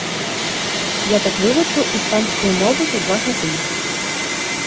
Я так вывучыў іспанскую мову за два гады.